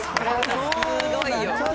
すごいよ！